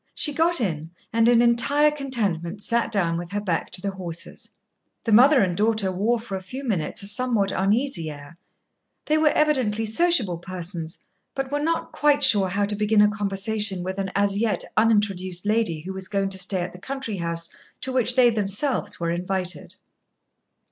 She got in, and in entire contentment sat down with her back to the horses. The mother and daughter wore for a few minutes a somewhat uneasy air. They were evidently sociable persons, but were not quite sure how to begin a conversation with an as yet unintroduced lady who was going to stay at the country house to which they were themselves invited.